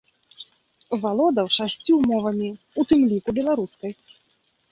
Валодаў шасцю мовамі, у тым ліку беларускай.